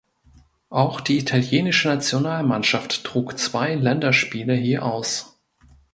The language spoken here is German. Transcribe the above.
Auch die italienische Nationalmannschaft trug zwei Länderspiele hier aus.